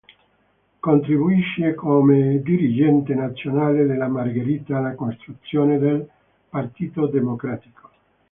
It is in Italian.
Contribuisce, come dirigente nazionale della Margherita, alla costituzione del Partito Democratico.